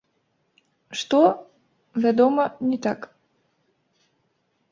Што, вядома, не так.